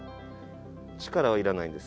力はいらないんです